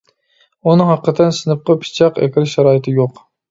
ئۇنىڭ ھەقىقەتەن سىنىپقا پىچاق ئەكىرىش شارائىتى يوق.